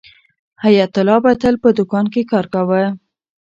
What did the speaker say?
حیات الله به تل په دوکان کې کار کاوه.